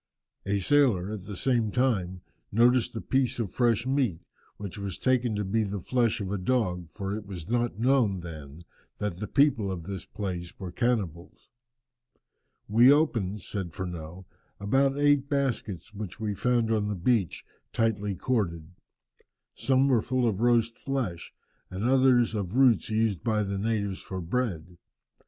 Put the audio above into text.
A sailor, at the same time, noticed a piece of fresh meat, which was taken to be the flesh of a dog, for it was not known then that the people of the place were cannibals. "We opened," says Furneaux, "about eight baskets which we found on the beach, tightly corded. Some were full of roast flesh, and others of roots used by the natives for bread.